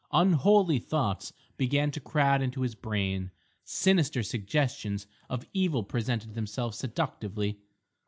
Unholy thoughts began to crowd into his brain, sinister suggestions of evil presented themselves seductively.